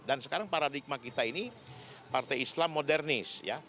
dan sekarang paradigma kita ini partai islam modernis